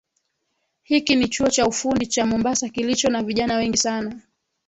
Hiki ni chuo cha ufundi cha Mombasa kilicho na vijana wengi sana.